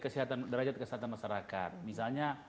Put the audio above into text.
kesehatan masyarakat misalnya